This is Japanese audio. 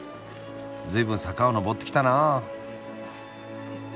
随分坂を上ってきたな。